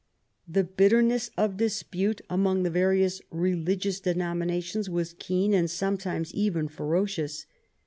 The bitterness of dispute among the various religious denominations was keen and sometimes even ferocious.